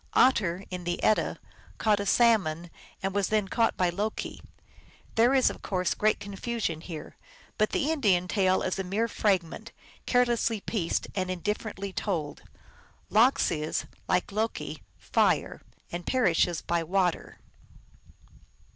Otter, in the Edda, caught a salmon, and was then caught by Loki. There is, of course, great confusion here, but the Indian tale is a mere fragment, carelessly pieced and indifferently told. Lox is, like Loki,^re, and perishes by water.